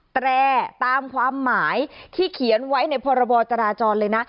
แต่ตามความหมายที่เขียนไว้ในพรบจราจรเลยนะ